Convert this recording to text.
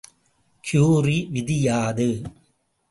Curie விதி யாது?